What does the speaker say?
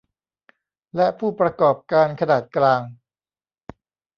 และผู้ประกอบการขนาดกลาง